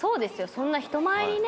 そんな人前にね